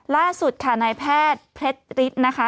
ล่าสุดค่ะนายแพทย์เพชรฤทธิ์นะคะ